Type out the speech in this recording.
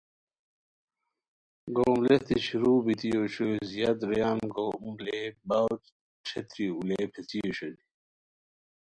گوم لیہتی شروع بیتی اوشوئے، زیاد رویان گوم لے باؤ ݯھیتری اولئیے پیڅھی اوشونی